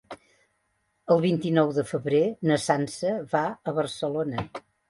El vint-i-nou de febrer na Sança va a Barcelona.